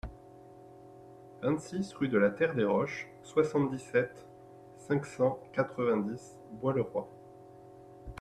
vingt-six rue de la Terre des Roches, soixante-dix-sept, cinq cent quatre-vingt-dix, Bois-le-Roi